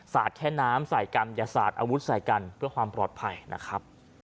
แค่น้ำใส่กันอย่าสาดอาวุธใส่กันเพื่อความปลอดภัยนะครับ